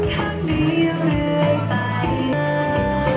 อย่างันทาง